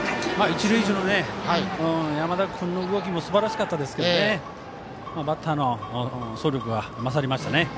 一塁手の山田君の動きもすばらしかったですがバッターの走力が勝りましたね。